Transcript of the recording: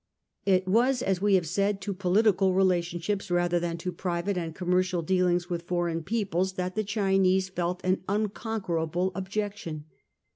It was, as we have said, to political relationships rather than to private and commercial dealings with foreign peoples that the Chinese felt an unconquerable objection.